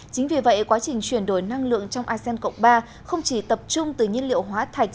chính vì vậy quá trình chuyển đổi năng lượng trong asean cộng ba không chỉ tập trung từ nhiên liệu hóa thạch